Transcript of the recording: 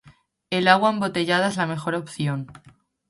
el agua embotellada es la mejor opción